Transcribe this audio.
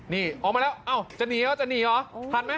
นี่ออกมาแล้วจะหนีหรอถัดไหม